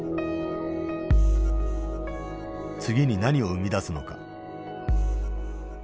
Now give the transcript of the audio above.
次に何を生み出すのか。